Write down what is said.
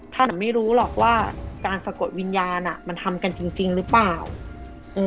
อ่ะไม่รู้หรอกว่าการสะกดวิญญาณอ่ะมันทำกันจริงจริงหรือเปล่าอืม